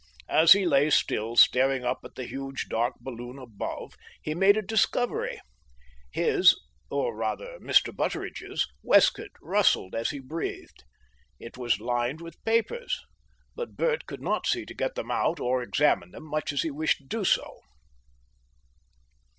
As he lay still, staring up at the huge dark balloon above, he made a discovery. His or rather Mr. Butteridge's waistcoat rustled as he breathed. It was lined with papers. But Bert could not see to get them out or examine them, much as he wished to do so....